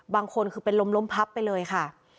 บางคนคือเป็นลมล้มพับไปเลยค่ะ